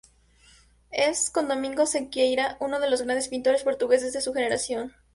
Es, con Domingos Sequeira, uno de los grandes pintores portugueses de su generación.